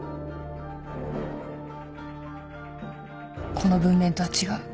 この文面とは違う。